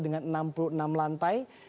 dengan enam puluh enam lantai